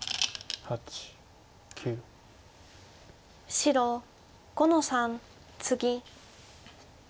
白５の三ツギ。